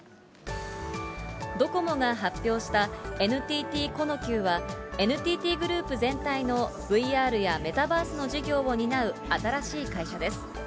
ドコモが発表した、ＮＴＴコノキューは、ＮＴＴグループ全体のＶＲやメタバースの事業を担う新しい会社です。